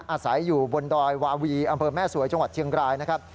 อาศัยอยู่บนดอยวาวีอำเภอแม่สวยจังหวัดเชียงรายนะครับ